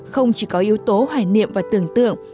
không chỉ có yếu tố hoài niệm và tưởng tượng